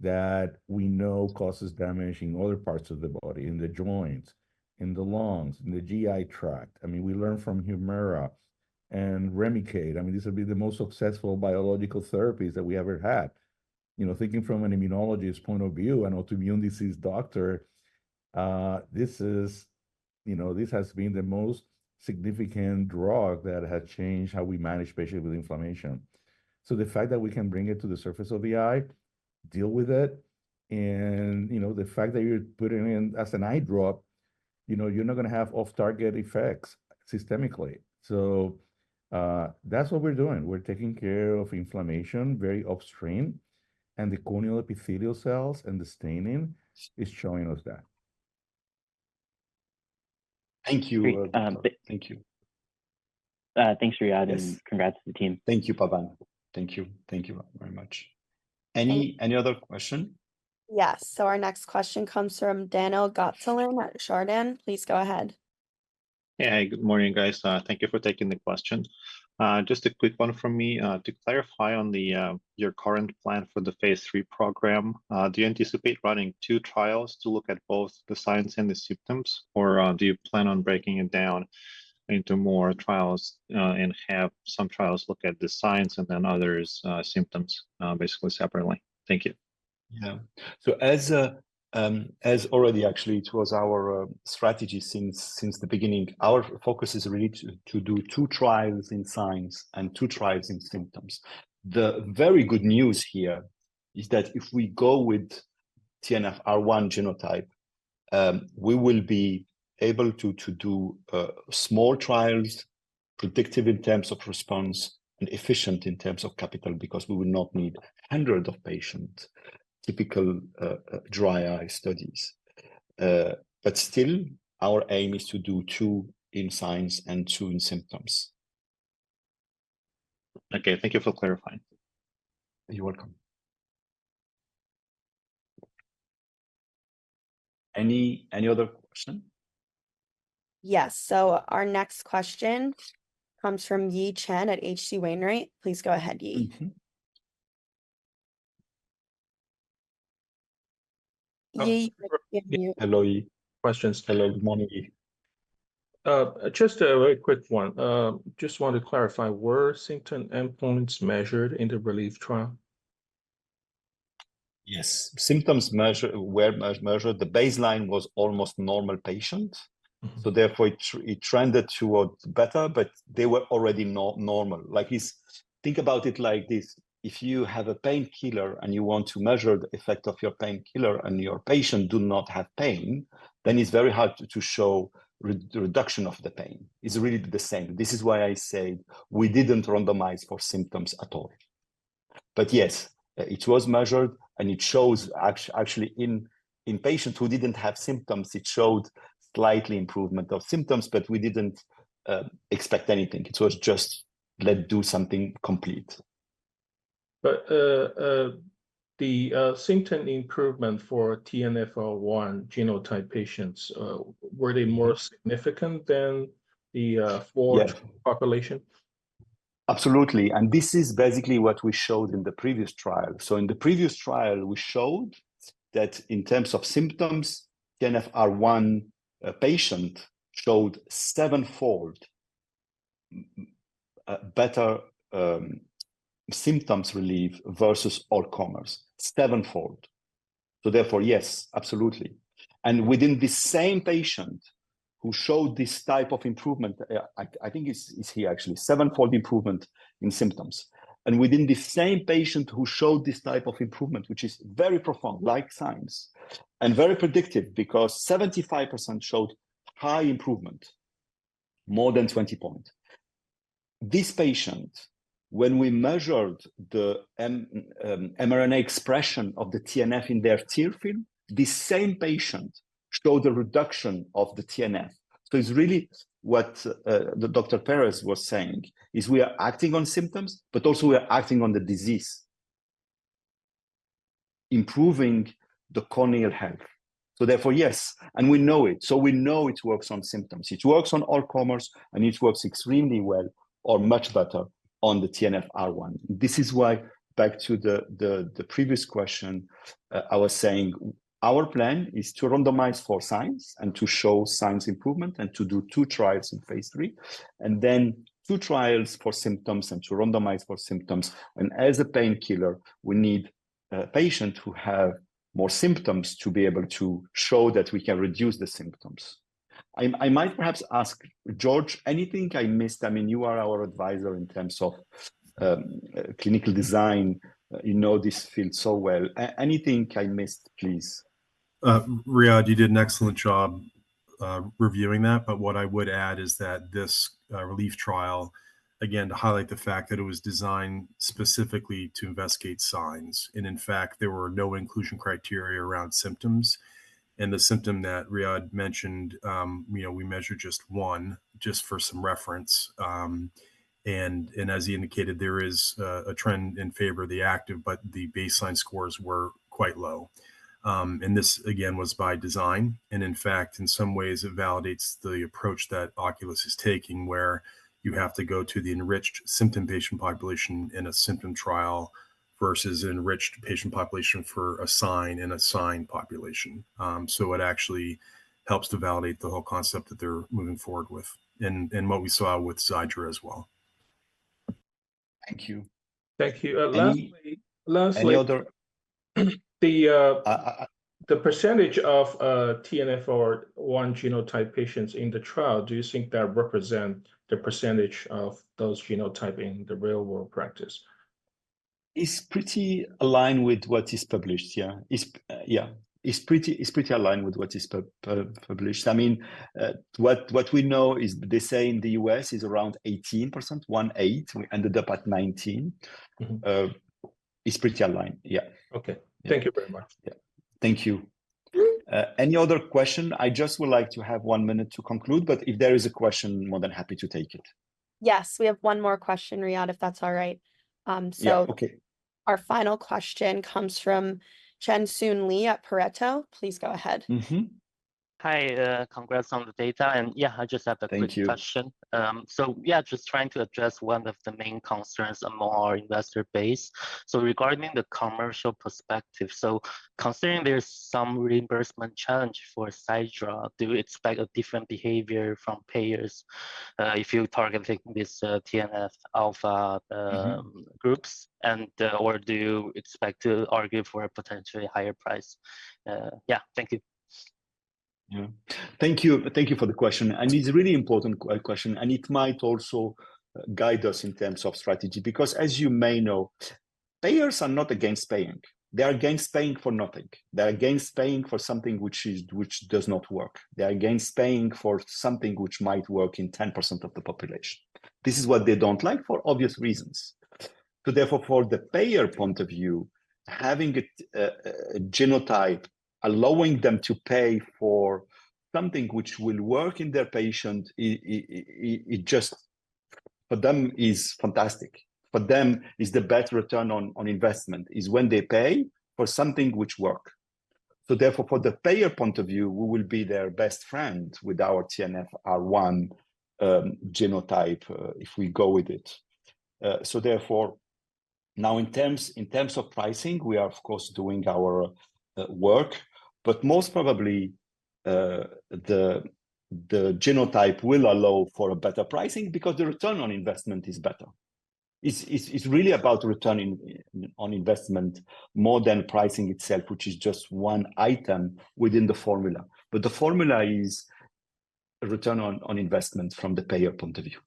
that we know causes damage in other parts of the body, in the joints, in the lungs, in the GI tract. I mean, we learn from Humira and Remicade. I mean, these would be the most successful biological therapies that we ever had. You know, thinking from an immunologist point of view, an autoimmune disease doctor, this is, you know, this has been the most significant drug that has changed how we manage patients with inflammation. So the fact that we can bring it to the surface of the eye, deal with it, and, you know, the fact that you're putting it in as an eye drop, you know, you're not gonna have off-target effects systemically. So, that's what we're doing. We're taking care of inflammation very upstream, and the corneal epithelial cells and the staining is showing us that. Thank you, Victor. Thank you. Thanks, Riad- Yes. Congrats to the team. Thank you, Pavan. Thank you. Thank you very much. Thank- Any other question? Yes. So our next question comes from Daniil Gataulin at Chardan. Please go ahead. Hey, good morning, guys. Thank you for taking the question. Just a quick one from me. To clarify on your current plan for the phase three program, do you anticipate running two trials to look at both the signs and the symptoms, or do you plan on breaking it down into more trials, and have some trials look at the signs and then others symptoms, basically separately? Thank you. Yeah. So as already actually it was our strategy since the beginning, our focus is really to do two trials in signs and two trials in symptoms. The very good news here is that if we go with TNFR1 genotype, we will be able to do small trials, predictive in terms of response and efficient in terms of capital, because we will not need hundreds of patients, typical dry eye studies. But still, our aim is to do two in signs and two in symptoms. Okay. Thank you for clarifying. You're welcome. Any other question? Yes. Our next question comes from Yi Chen at H.C. Wainwright. Please go ahead, Yi. Mm-hmm. Yi, we can't hear you. Hello, Yi. Questions. Hello. Good morning, Yi. Just a very quick one. Just want to clarify, were symptom endpoints measured in the RELIEF trial? Yes. Symptoms were measured. The baseline was almost normal patient- Mm-hmm... so therefore, it trended towards better, but they were already normal. Like, it's... Think about it like this: if you have a painkiller and you want to measure the effect of your painkiller and your patient do not have pain, then it's very hard to show reduction of the pain. It's really the same. This is why I say we didn't randomize for symptoms at all.... but yes, it was measured, and it shows actually in patients who didn't have symptoms, it showed slightly improvement of symptoms, but we didn't expect anything. It was just, let's do something complete. But, the symptom improvement for TNFR1 genotype patients, were they more significant than the, Yeah - broad population? Absolutely, and this is basically what we showed in the previous trial. So in the previous trial, we showed that in terms of symptoms, TNFR1 patient showed sevenfold better symptoms relief versus all comers. Sevenfold. So therefore, yes, absolutely. And within the same patient who showed this type of improvement, it's actually sevenfold improvement in symptoms. And within the same patient who showed this type of improvement, which is very profound, like signs, and very predictive, because 75% showed high improvement, more than 20 points. This patient, when we measured the mRNA expression of the TNF in their tear film, the same patient showed a reduction of the TNF. So it's really what the Dr. Perez was saying, is we are acting on symptoms, but also we are acting on the disease, improving the corneal health. So therefore, yes, and we know it, so we know it works on symptoms. It works on all comers, and it works extremely well or much better on the TNFR1. This is why, back to the previous question, I was saying our plan is to randomize for signs and to show signs improvement, and to do two trials in phase III, and then two trials for symptoms and to randomize for symptoms. And as a painkiller, we need patients who have more symptoms to be able to show that we can reduce the symptoms. I might perhaps ask George, anything I missed? I mean, you are our advisor in terms of clinical design. You know this field so well. Anything I missed, please? Riad, you did an excellent job reviewing that, but what I would add is that this RELIEF trial, again, to highlight the fact that it was designed specifically to investigate signs, and in fact, there were no inclusion criteria around symptoms. And the symptom that Riad mentioned, you know, we measured just one, just for some reference, and, and as he indicated, there is a trend in favor of the active, but the baseline scores were quite low. And this, again, was by design, and in fact, in some ways, it validates the approach that Oculis is taking, where you have to go to the enriched symptom patient population in a symptom trial versus enriched patient population for a sign in a sign population. So it actually helps to validate the whole concept that they're moving forward with, and what we saw with Xiidra as well. Thank you. Thank you. Lastly- Any- Lastly- Any other- The, uh- Uh, uh, uh- The percentage of TNFR1 genotype patients in the trial, do you think that represent the percentage of those genotype in the real world practice? It's pretty aligned with what is published, yeah. Yeah, it's pretty aligned with what is published. I mean, what we know is, they say in the U.S., it's around 18%, 18. We ended up at 19. Mm-hmm. It's pretty aligned. Yeah. Okay. Yeah. Thank you very much. Yeah. Thank you. Any other question? I just would like to have one minute to conclude, but if there is a question, more than happy to take it. Yes, we have one more question, Riad, if that's all right. Yeah. Okay. Our final question comes from Chen-Sun Li at Pareto. Please go ahead. Mm-hmm. Hi, congrats on the data. Yeah, I just have a quick question. Thank you. Yeah, just trying to address one of the main concerns among our investor base. Regarding the commercial perspective, so considering there's some reimbursement challenge for Xiidra, do you expect a different behavior from payers, if you're targeting this, TNF-α? Mm-hmm... groups? And, or do you expect to argue for a potentially higher price? Yeah. Thank you. Yeah. Thank you. Thank you for the question, and it's a really important question, and it might also guide us in terms of strategy, because as you may know, payers are not against paying. They are against paying for nothing. They are against paying for something which does not work. They are against paying for something which might work in 10% of the population. This is what they don't like for obvious reasons. So therefore, for the payer point of view, having a genotype, allowing them to pay for something which will work in their patient, it just, for them, is fantastic. For them, is the best return on investment, is when they pay for something which work. So therefore, for the payer point of view, we will be their best friend with our TNFR1 genotype, if we go with it. So therefore, now in terms of pricing, we are, of course, doing our work, but most probably, the genotype will allow for a better pricing because the return on investment is better. It's really about return on investment more than pricing itself, which is just one item within the formula. But the formula is a return on investment from the payer point of view,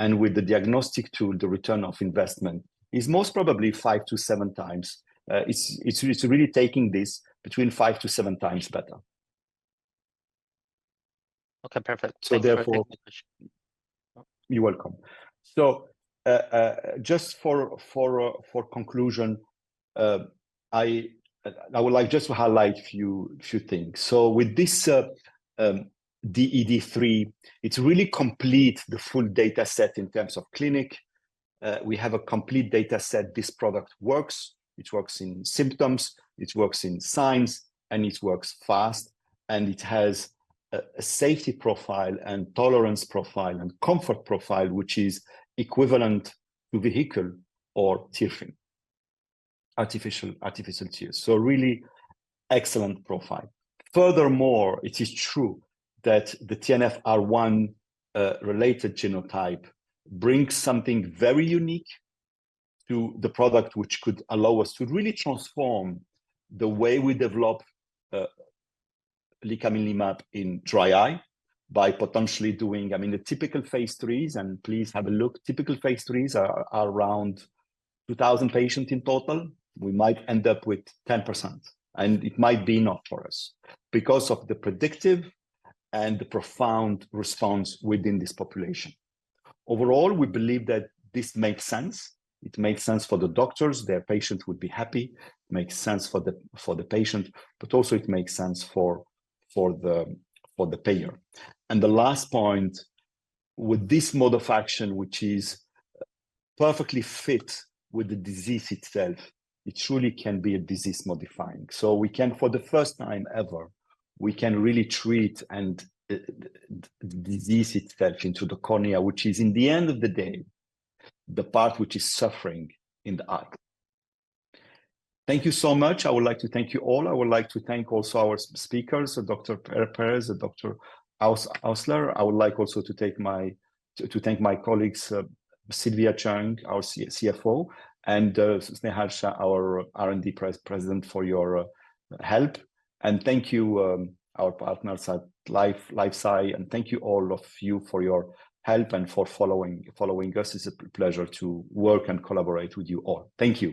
and with the diagnostic tool, the return of investment is most probably 5-7 times. It's really taking this between 5-7 times better.... Okay, perfect. So therefore- Thank you very much. You're welcome. So, just for conclusion, I would like just to highlight a few things. So with this, DED-3, it's really complete the full data set in terms of clinic. We have a complete data set. This product works. It works in symptoms, it works in signs, and it works fast, and it has a safety profile and tolerance profile and comfort profile, which is equivalent to vehicle or tear film, artificial tears, so really excellent profile. Furthermore, it is true that the TNFR1 related genotype brings something very unique to the product, which could allow us to really transform the way we develop, Licaminlimab in dry eye by potentially doing... I mean, the typical phase 3s, and please have a look. Typical phase III are around 2,000 patients in total. We might end up with 10%, and it might be enough for us because of the predictive and the profound response within this population. Overall, we believe that this makes sense. It makes sense for the doctors, their patients would be happy. It makes sense for the patient, but also it makes sense for the payer. And the last point, with this modification, which is perfectly fit with the disease itself, it truly can be a disease-modifying. So we can, for the first time ever, we can really treat and the disease itself into the cornea, which is, in the end of the day, the part which is suffering in the eye. Thank you so much. I would like to thank you all. I would like to thank also our speakers, Dr. Perez and Dr. Ousler. I would like also to take to thank my colleagues, Sylvia Cheung, our CFO, and Snehal Shah, our R&D president, for your help. And thank you, our partners at LifeSci, and thank you all of you for your help and for following us. It's a pleasure to work and collaborate with you all. Thank you.